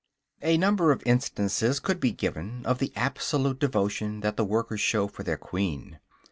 A number of instances could be given of the absolute devotion that the workers show for their queen.